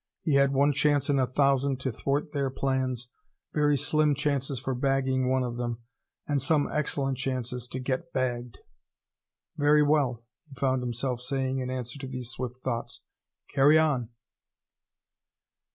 He had one chance in a thousand to thwart their plans, very slim chances for bagging one of them, and some excellent chances to get bagged! "Very well," he found himself saying in answer to these swift thoughts. "Carry on!"